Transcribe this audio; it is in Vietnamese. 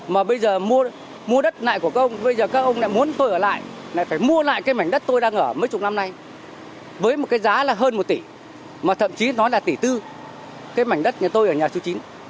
và bây giờ mua đất lại của các ông bây giờ các ông lại muốn tôi ở lại lại phải mua lại cái mảnh đất tôi đang ở mấy chục năm nay với một cái giá là hơn một tỷ mà thậm chí nó là tỷ tư cái mảnh đất nhà tôi ở nhà chú chín